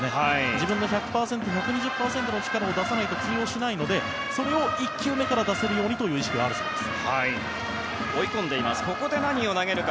自分の１００％、１２０％の力を出さないと通用しないのでそれを１球目から出せるようにという意識があるそうです。